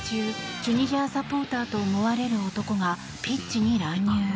チュニジアサポーターと思われる男がピッチに乱入。